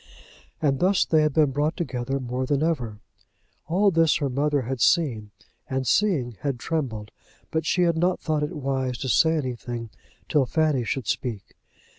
And thus they had been brought together more than ever. All this her mother had seen, and seeing, had trembled; but she had not thought it wise to say anything till Fanny should speak.